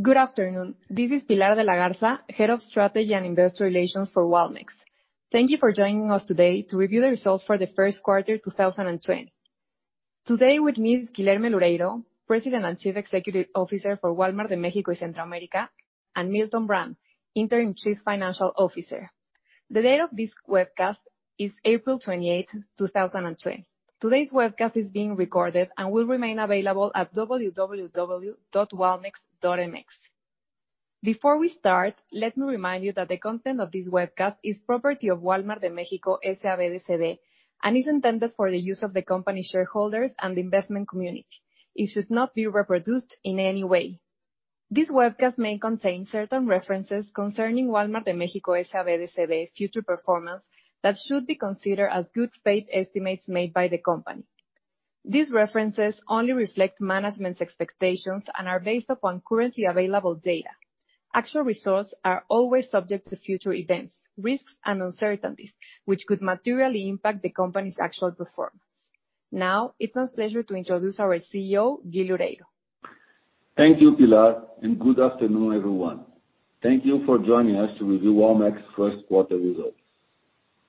Good afternoon. This is Pilar de la Garza, Head of Strategy and Investor Relations for Walmex. Thank you for joining us today to review the results for the first quarter 2020. Today with me is Guilherme Loureiro, President and Chief Executive Officer for Walmart de México y Centroamérica, and Milton Brandt, Interim Chief Financial Officer. The date of this webcast is April 28th, 2020. Today's webcast is being recorded and will remain available at www.walmex.mx. Before we start, let me remind you that the content of this webcast is property of Wal-Mart de México, S.A.B. de C.V., and is intended for the use of the company shareholders and the investment community. It should not be reproduced in any way. This webcast may contain certain references concerning Wal-Mart de México, S.A.B. de C.V. future performance that should be considered as good faith estimates made by the company. These references only reflect management's expectations and are based upon currently available data. Actual results are always subject to future events, risks, and uncertainties, which could materially impact the company's actual performance. Now, it's my pleasure to introduce our CEO, Gui Loureiro. Thank you, Pilar. Good afternoon, everyone. Thank you for joining us to review Walmex First Quarter Results.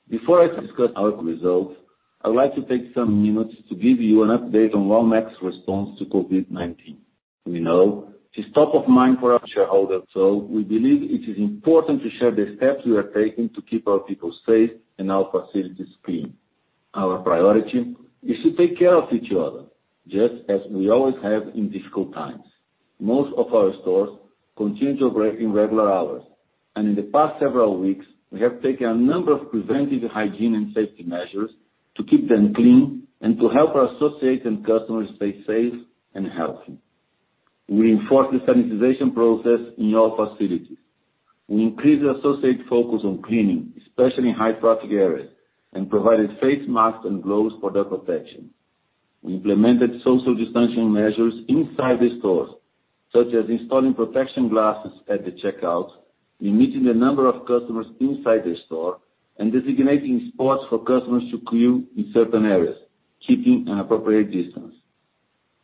Before I discuss our results, I would like to take some minutes to give you an update on Walmex response to COVID-19. We know it is top of mind for our shareholders, so we believe it is important to share the steps we are taking to keep our people safe and our facilities clean. Our priority is to take care of each other, just as we always have in difficult times. Most of our stores continue to operate in regular hours, and in the past several weeks, we have taken a number of preventive hygiene and safety measures to keep them clean and to help our associates and customers stay safe and healthy. We reinforce the sanitization process in all facilities. We increased the associate focus on cleaning, especially in high traffic areas, and provided face masks and gloves for their protection. We implemented social distancing measures inside the stores, such as installing protection glasses at the checkout, limiting the number of customers inside the store, and designating spots for customers to queue in certain areas, keeping an appropriate distance.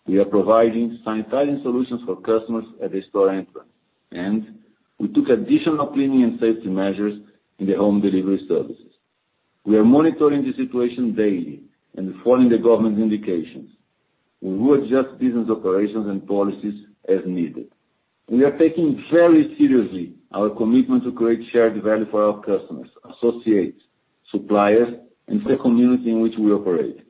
We are providing sanitizing solutions for customers at the store entrance. We took additional cleaning and safety measures in the home delivery services. We are monitoring the situation daily and following the government's indications. We will adjust business operations and policies as needed. We are taking very seriously our commitment to create shared value for our customers, associates, suppliers, and the community in which we operate.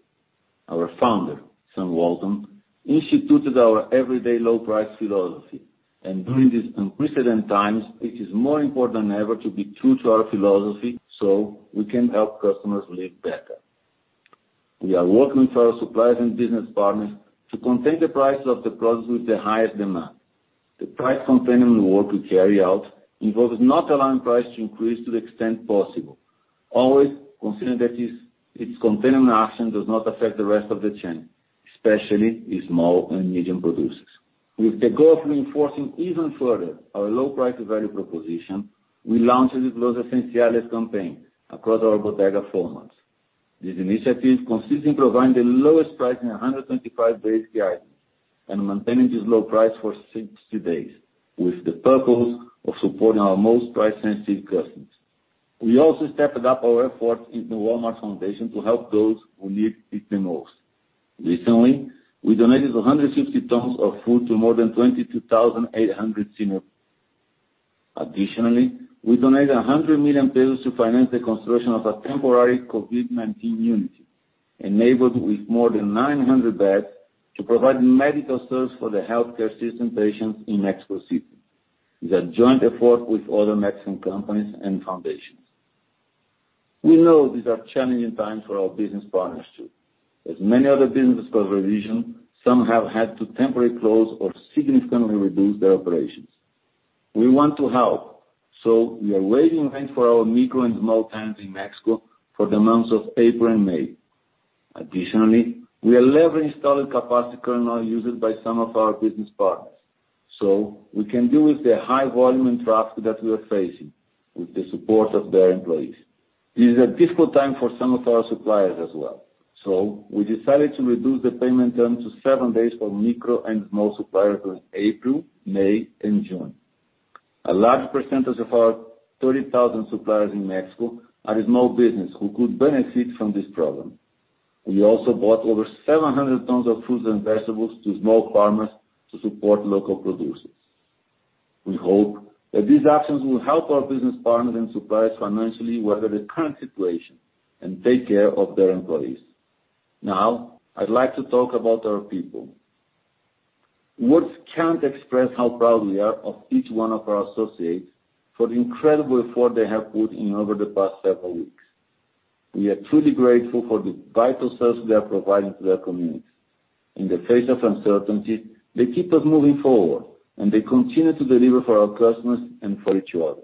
Our founder, Sam Walton, instituted our everyday low price philosophy. During these unprecedented times, it is more important than ever to be true to our philosophy, so we can help customers live better. We are working for our suppliers and business partners to contain the price of the products with the highest demand. The price containment work we carry out involves not allowing price to increase to the extent possible, always considering that its containment action does not affect the rest of the chain, especially with small and medium producers. With the goal of reinforcing even further our low price value proposition, we launched the Los Esenciales campaign across our Bodega formats. This initiative consists in providing the lowest price in 125 basic items and maintaining this low price for 60 days, with the purpose of supporting our most price-sensitive customers. We also stepped up our efforts in the Walmart Foundation to help those who need it the most. Recently, we donated 150 tons of food to more than 22,800 seniors. Additionally, we donated 100 million pesos to finance the construction of a temporary COVID-19 unit, enabled with more than 900 beds to provide medical service for the healthcare system patients in Mexico City. It's a joint effort with other Mexican companies and foundations. We know these are challenging times for our business partners, too. As many other businesses across the region, some have had to temporarily close or significantly reduce their operations. We want to help, so we are waiving rent for our micro and small tenants in Mexico for the months of April and May. Additionally, we are leveraging storage capacity currently used by some of our business partners, so we can deal with the high volume and traffic that we are facing with the support of their employees. It is a difficult time for some of our suppliers as well. We decided to reduce the payment term to seven days for micro and small suppliers for April, May, and June. A large percentage of our 30,000 suppliers in Mexico are small business who could benefit from this program. We also bought over 700 tons of fruits and vegetables to small farmers to support local producers. We hope that these actions will help our business partners and suppliers financially weather the current situation and take care of their employees. Now, I'd like to talk about our people. Words can't express how proud we are of each one of our associates for the incredible effort they have put in over the past several weeks. We are truly grateful for the vital service they are providing to their community. In the face of uncertainty, they keep us moving forward, and they continue to deliver for our customers and for each other.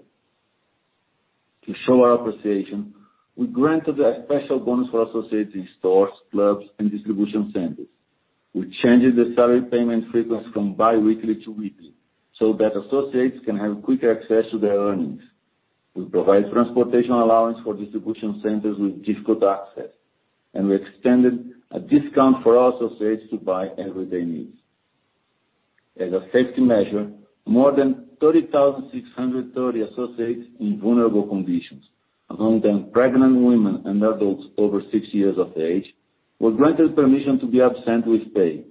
To show our appreciation, we granted a special bonus for associates in stores, clubs, and distribution centers. We changed the salary payment frequency from biweekly to weekly, so that associates can have quicker access to their earnings. We provide transportation allowance for distribution centers with difficult access, and we extended a discount for our associates to buy everyday needs. As a safety measure, more than 30,630 associates in vulnerable conditions, among them pregnant women and adults over 60 years of age, were granted permission to be absent with pay,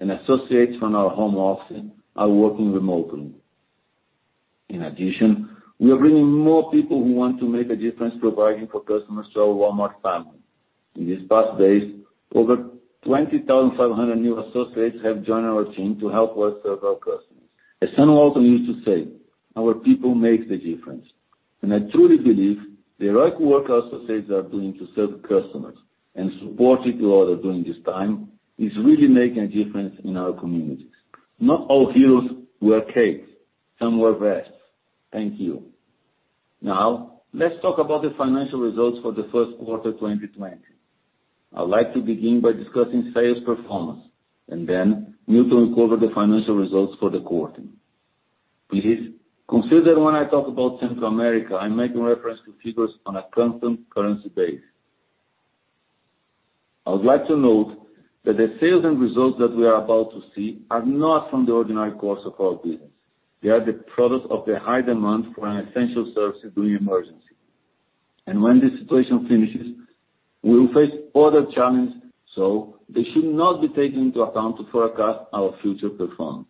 and associates from our home office are working remotely. In addition, we are bringing more people who want to make a difference providing for customers to our Walmart family. In these past days, over 20,500 new associates have joined our team to help us serve our customers. As Sam Walton used to say, our people make the difference, and I truly believe the heroic work our associates are doing to serve the customers and support each other during this time is really making a difference in our communities. Not all heroes wear capes, some wear vests. Thank you. Let's talk about the financial results for the first quarter, 2020. I would like to begin by discussing sales performance, and then move to uncover the financial results for the quarter. Please consider when I talk about Central America, I'm making reference to figures on a constant currency base. I would like to note that the sales and results that we are about to see are not from the ordinary course of our business. They are the product of the high demand for an essential service during emergency. When the situation finishes, we will face other challenges, so they should not be taken into account to forecast our future performance.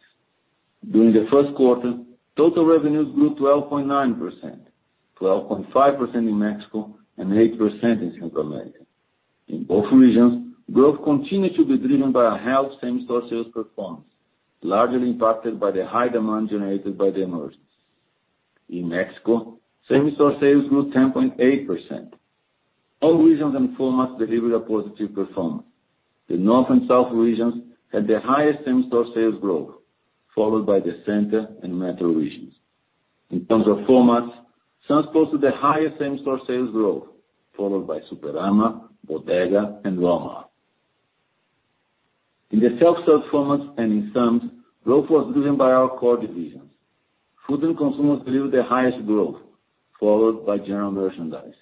During the first quarter, total revenues grew 12.9%, 12.5% in Mexico and 8% in Central America. In both regions, growth continued to be driven by a healthy same-store sales performance, largely impacted by the high demand generated by the emergency. In Mexico, same-store sales grew 10.8%. All regions and formats delivered a positive performance. The North and South regions had the highest same-store sales growth, followed by the Center and Metro regions. In terms of formats, Sam's posted the highest same-store sales growth, followed by Superama, Bodega, and Walmart. In the self-service formats and in Sam's, growth was driven by our core decisions. Food and consumer delivered the highest growth, followed by general merchandise.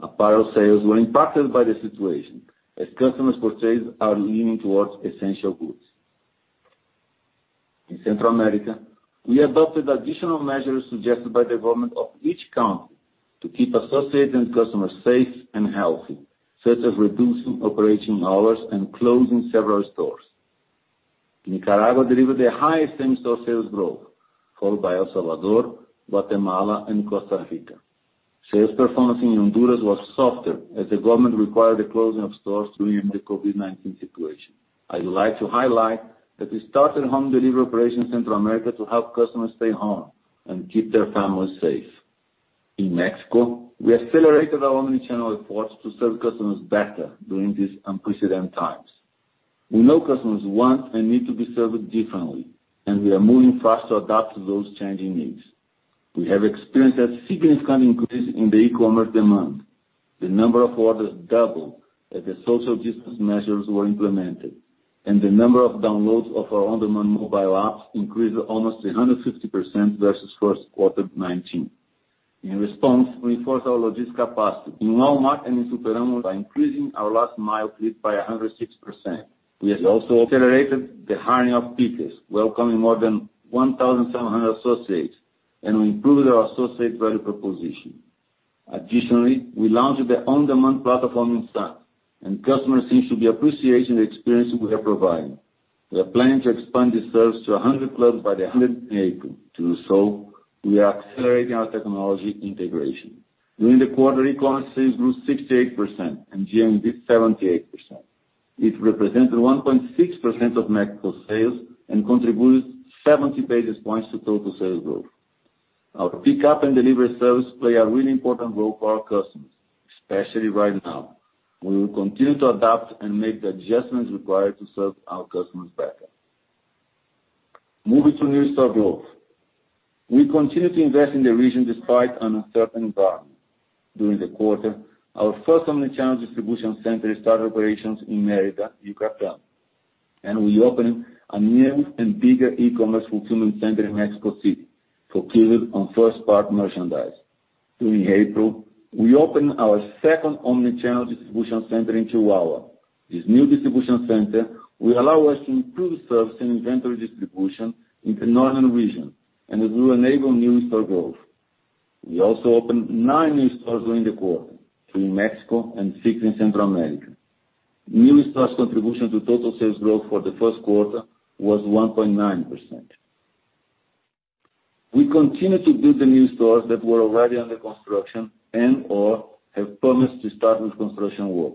Apparel sales were impacted by the situation, as customers' purchase are leaning towards essential goods. In Central America, we adopted additional measures suggested by the government of each country to keep associates and customers safe and healthy, such as reducing operating hours and closing several stores. Nicaragua delivered their highest same-store sales growth, followed by El Salvador, Guatemala, and Costa Rica. Sales performance in Honduras was softer as the government required the closing of stores during the COVID-19 situation. I'd like to highlight that we started home delivery operation in Central America to help customers stay home and keep their families safe. In Mexico, we accelerated our omni-channel efforts to serve customers better during these unprecedented times. We know customers want and need to be served differently, and we are moving fast to adapt to those changing needs. We have experienced a significant increase in the e-commerce demand. The number of orders doubled as the social distance measures were implemented, and the number of downloads of our on-demand mobile apps increased almost 150% versus first quarter 2019. In response, we enforced our logistics capacity in Walmart and in Superama by increasing our last mile fleet by 106%. We have also accelerated the hiring of pickers, welcoming more than 1,700 associates, and we improved our associate value proposition. Additionally, we launched the on-demand platform in Sam's, and customers seem to be appreciating the experience we are providing. We are planning to expand the service to 100 clubs by the end of April. To do so, we are accelerating our technology integration. During the quarter, e-commerce sales grew 68% and GMV 78%. It represented 1.6% of Mexico's sales and contributes 70 basis points to total sales growth. Our pickup and delivery service play a really important role for our customers, especially right now. We will continue to adapt and make the adjustments required to serve our customers better. Moving to new store growth. We continue to invest in the region despite an uncertain environment. During the quarter, our first omni-channel distribution center started operations in Mérida, Yucatán, and we opened a new and bigger e-commerce fulfillment center in Mexico City, focused on first-part merchandise. During April, we opened our second omni-channel distribution center in Chihuahua. This new distribution center will allow us to improve service and inventory distribution in the northern region and it will enable new store growth. We also opened nine new stores during the quarter, three in Mexico and six in Central America. New stores' contribution to total sales growth for the first quarter was 1.9%. We continue to build the new stores that were already under construction and/or have promised to start with construction work.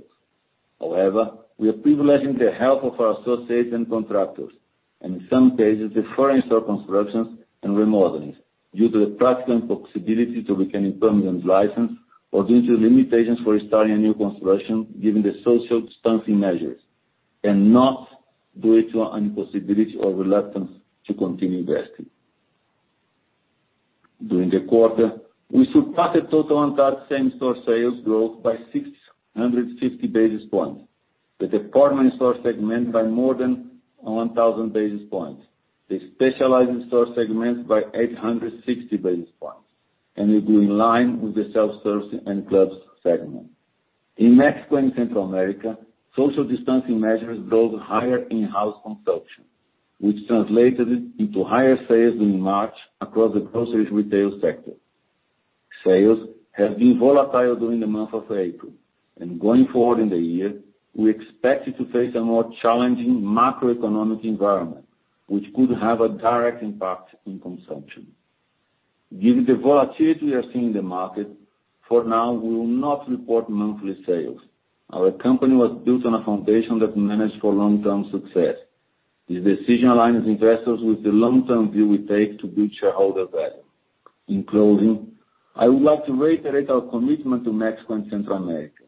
However, we are privileging the health of our associates and contractors, and in some cases, deferring store constructions and remodelings due to the practical impossibility to obtain a permit and license or due to limitations for starting a new construction given the social distancing measures, and not due to an impossibility or reluctance to continue investing. During the quarter, we surpassed the total on-target same-store sales growth by 650 basis points. The department store segment by more than 1,000 basis points. The specialized store segment by 860 basis points, and will be in line with the self-service and clubs segment. In Mexico and Central America, social distancing measures drove higher in-house consumption, which translated into higher sales in March across the grocery retail sector. Sales have been volatile during the month of April. Going forward in the year, we expect to face a more challenging macroeconomic environment, which could have a direct impact in consumption. Given the volatility we are seeing in the market, for now, we will not report monthly sales. Our company was built on a foundation that managed for long-term success. This decision aligns investors with the long-term view we take to build shareholder value. In closing, I would like to reiterate our commitment to Mexico and Central America.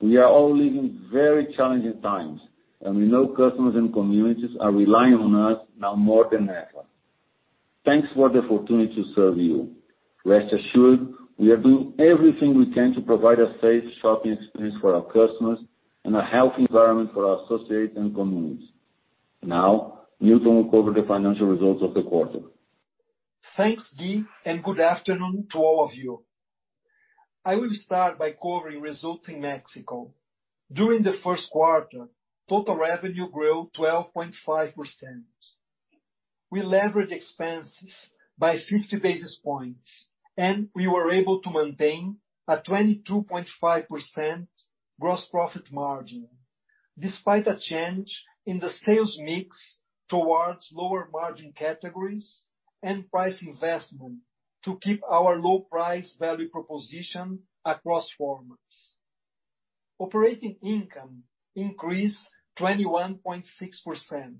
We are all living very challenging times, and we know customers and communities are relying on us now more than ever. Thanks for the opportunity to serve you. Rest assured, we are doing everything we can to provide a safe shopping experience for our customers and a healthy environment for our associates and communities. Now, Milton will cover the financial results of the quarter. Thanks, Gui, and good afternoon to all of you. I will start by covering results in Mexico. During the first quarter, total revenue grew 12.5%. We leveraged expenses by 50 basis points, and we were able to maintain a 22.5% gross profit margin, despite a change in the sales mix towards lower margin categories and price investment to keep our low price value proposition across formats. Operating income increased 21.6%,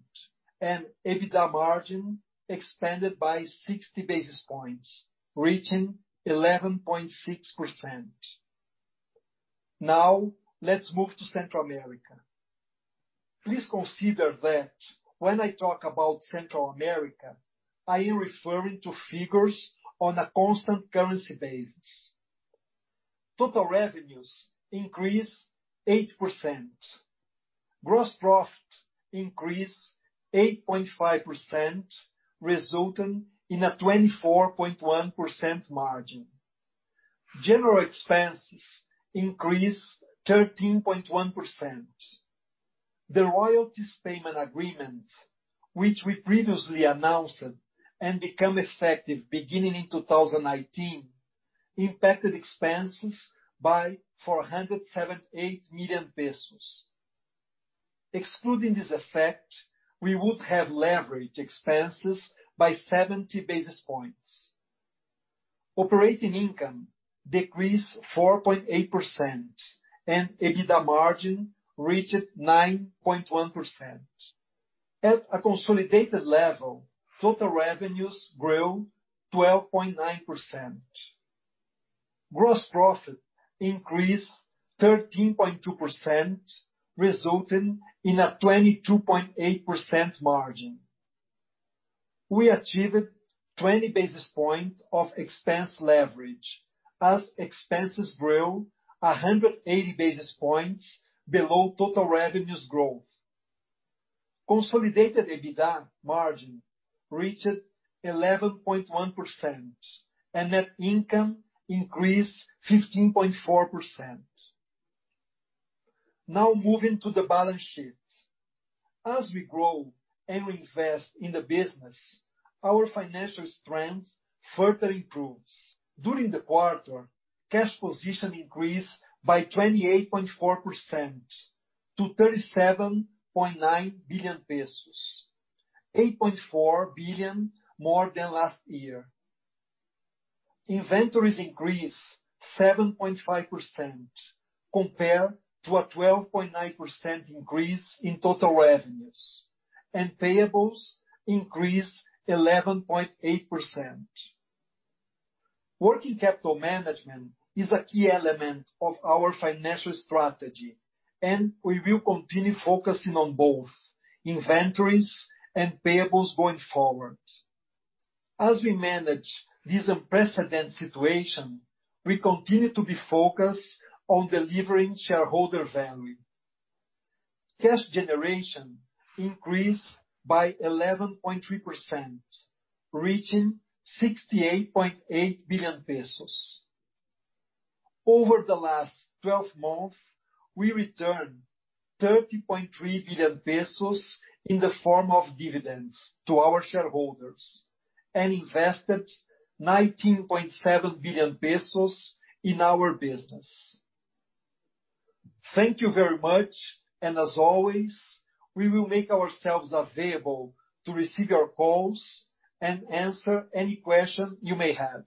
and EBITDA margin expanded by 60 basis points, reaching 11.6%. Now, let's move to Central America. Please consider that when I talk about Central America, I am referring to figures on a constant currency basis. Total revenues increased 8%. Gross profit increased 8.5%, resulting in a 24.1% margin. General expenses increased 13.1%. The royalties payment agreement, which we previously announced and become effective beginning in 2019, impacted expenses by 478 million pesos. Excluding this effect, we would have leveraged expenses by 70 basis points. Operating income decreased 4.8%, and EBITDA margin reached 9.1%. At a consolidated level, total revenues grew 12.9%. Gross profit increased 13.2%, resulting in a 22.8% margin. We achieved 20 basis points of expense leverage, as expenses grew 180 basis points below total revenues growth. Consolidated EBITDA margin reached 11.1%, and net income increased 15.4%. Moving to the balance sheet. As we grow and we invest in the business, our financial strength further improves. During the quarter, cash position increased by 28.4% to 37.9 billion pesos, 8.4 billion more than last year. Inventories increased 7.5% compared to a 12.9% increase in total revenues, and payables increased 11.8%. Working capital management is a key element of our financial strategy, and we will continue focusing on both inventories and payables going forward. As we manage this unprecedented situation, we continue to be focused on delivering shareholder value. Cash generation increased by 11.3%, reaching 68.8 billion pesos. Over the last 12 months, we returned 30.3 billion pesos in the form of dividends to our shareholders and invested 19.7 billion pesos in our business. Thank you very much, and as always, we will make ourselves available to receive your calls and answer any question you may have.